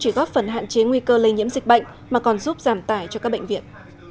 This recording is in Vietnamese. chỉ góp phần hạn chế nguy cơ lây nhiễm dịch bệnh mà còn giúp giảm tải cho các bệnh viện